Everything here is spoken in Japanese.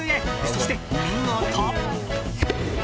そして見事。